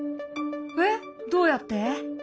えっどうやって？